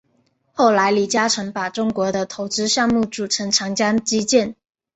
后来李嘉诚把中国的投资项目组成长江基建。